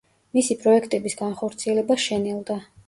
მისი პროექტების განხორციელება შენელდა.